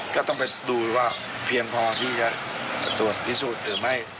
ก็ต้องไปดูว่าเพียงพอที่จะตรวจพิสูจน์หรือไม่